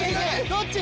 ・どっち？